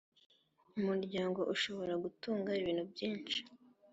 Umuryango ushobora gutunga ibintu byishi.